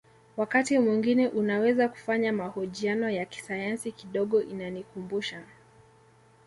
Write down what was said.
Wakati mwingine unaweza kufanya mahojiano ya kisayansi kidogo inanikumbusha